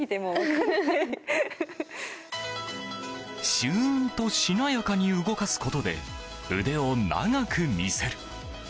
しゅーんとしなやかに動かすことで腕を長く見せる。